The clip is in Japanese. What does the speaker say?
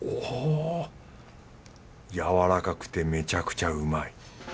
やわらかくてめちゃくちゃうまい。